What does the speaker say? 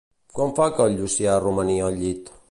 Quant fa que el Llucià romania al llit?